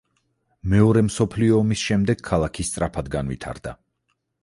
მეორე მსოფლიო ომის შემდეგ ქალაქი სწრაფად განვითარდა.